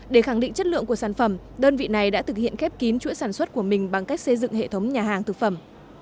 để khẳng định chất lượng của sản phẩm đơn vị này đã thực hiện khép kín chuỗi sản xuất của mình bằng cách xây dựng hệ thống nhà hàng thực phẩm